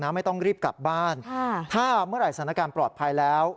ไม่ต้องรีบกลับบ้านถ้าเมื่อไหร่สถานการณ์ปลอดภัยแล้ว